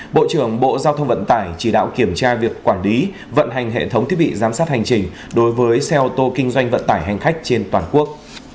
bộ trưởng bộ giao thông vận tải chỉ đạo kiểm tra việc quản lý vận hành hệ thống thiết bị giám sát hành trình đối với xe ô tô kinh doanh vận tải hành khách trên toàn quốc